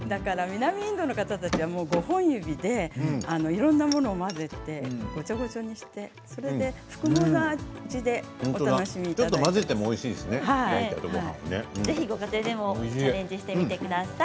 南インドの方たちは指でいろいろなものを混ぜてごちゃごちゃにしてそれで複雑な味でちょっと混ぜてもぜひチャレンジしてみてください。